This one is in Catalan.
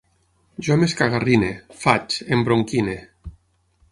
Jo m'escagarrine, faig, embronquine